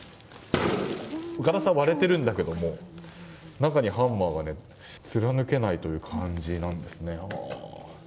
ガラスは割れてるんだけれども中にハンマーが貫けないという感じなんですね。